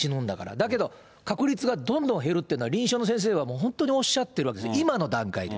だけど、確率がどんどん減るっていうのは臨床の先生はもう本当におっしゃってるわけですよ、今の段階で。